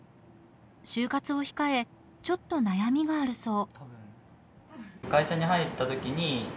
就活を控えちょっと悩みがあるそう。